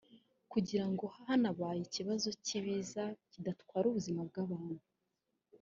kugira ngo hanabaye ikibazo cy’ibiza kidatwara ubuzima bw’abantu